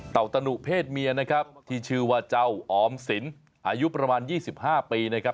ตะนุเพศเมียนะครับที่ชื่อว่าเจ้าออมสินอายุประมาณ๒๕ปีนะครับ